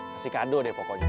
kasih kado deh pokoknya